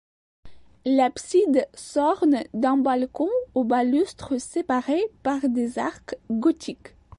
L'abside s'orne d'un balcon aux balustres séparés par des arcs gothiques.